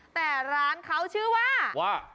แต่ร้านเขาชื่อว่าว่า